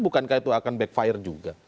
bukankah itu akan backfire juga